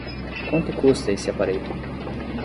Quanto custa esse aparelho?